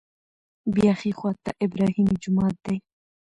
بیا ښي خوا ته ابراهیمي جومات دی.